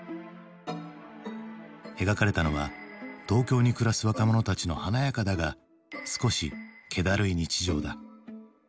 描かれたのは東京に暮らす若者たちの華やかだが少しけだるい日常だ。